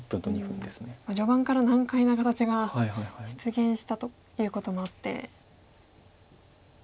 序盤から難解な形が出現したということもあって。